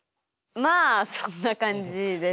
まあそんな感じです。